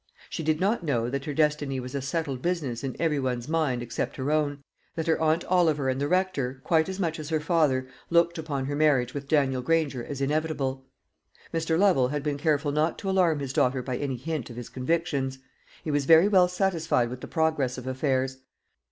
She did not know that her destiny was a settled business in every one's mind except her own: that her aunt Oliver and the Rector, quite as much as her father, looked upon her marriage with Daniel Granger as inevitable. Mr. Lovel had been careful not to alarm his daughter by any hint of his convictions. He was very well satisfied with the progress of affairs.